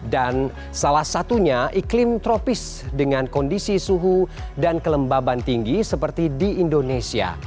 dan salah satunya iklim tropis dengan kondisi suhu dan kelembaban tinggi seperti di indonesia